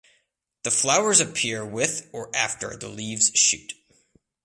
The flowers appear with or after the leaves shoot.